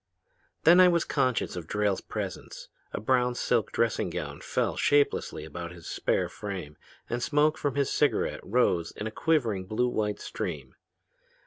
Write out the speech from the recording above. "Then I was conscious of Drayle's presence. A brown silk dressing gown fell shapelessly about his spare frame and smoke from his cigarette rose in a quivering blue white stream.